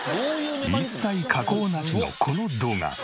一切加工なしのこの動画。